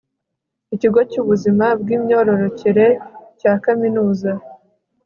ikigo cy'ubuzima bw'imyororokere cya kaminuza